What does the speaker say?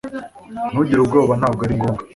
Ntugire ubwoba Ntabwo ari ngombwa